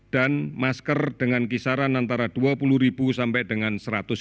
dan masker dengan kisaran antara dua puluh sampai dengan satu ratus lima puluh